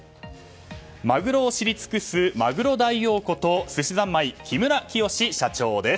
マグロを知り尽くすマグロ大王ことすしざんまい、木村清社長です。